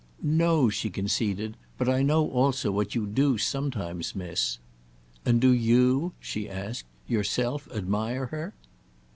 "No," she conceded; "but I know also what you do sometimes miss. And do you," she asked, "yourself admire her?"